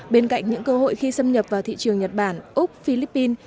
bên cạnh những cơ hội khi xâm nhập vào thị trường nhật bản úc philippines